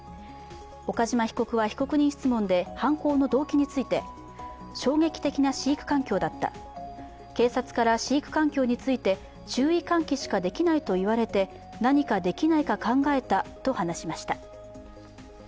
岡島被告は被告人質問で犯行の動機について衝撃的な飼育環境だった、警察から飼育環境について注意喚起しかできないと言われて何かできないか考えたと話しました。